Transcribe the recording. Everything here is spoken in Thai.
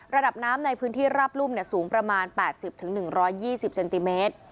ระดับน้ำในพื้นที่ราบรุ่มสูงประมาณ๘๐๑๒๐เซนติเมตร